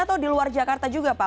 atau di luar jakarta juga pak